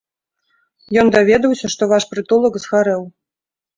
Ён даведаўся, што ваш прытулак згарэў.